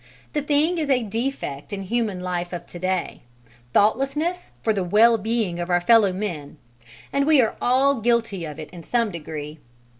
The thing is a defect in human life of to day thoughtlessness for the well being of our fellow men; and we are all guilty of it in some degree.